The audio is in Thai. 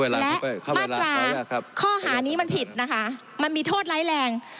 และมาตราข้อหานี้มันผิดนะคะมันมีโทษไร้แรง